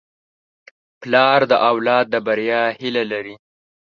پلار د اولاد د بریا هیله لري.